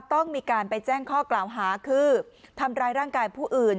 ต้องมีการไปแจ้งข้อกล่าวหาคือทำร้ายร่างกายผู้อื่น